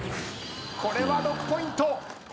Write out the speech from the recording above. これは６ポイント。